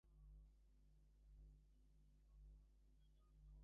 The business flourished under the name of John See and Company.